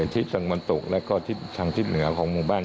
ที่สังวันตกและก็ทางทิศเหนือของมุมบ้าน